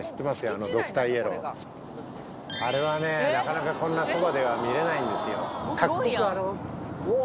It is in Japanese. あれはねなかなかこんなそばでは見れないんですよ。